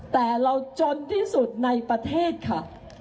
แต่เราจนที่สุดในประเทศค่ะ